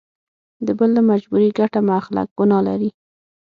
د بل له مجبوري ګټه مه اخله ګنا لري.